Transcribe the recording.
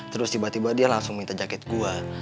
terus tiba tiba dia langsung minta jaket gua